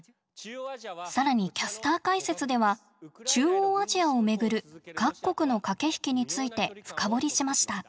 更にキャスター解説では中央アジアをめぐる各国の駆け引きについて深掘りしました。